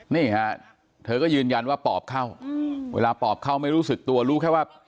นี่ฮะเธอก็ยืนยันว่าปอบเข้าเวลาปอบเข้าไม่รู้สึกตัวรู้แค่ว่า